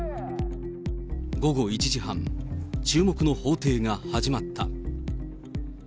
午後１時半、注目の法廷が始まった。